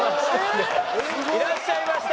いらっしゃいました。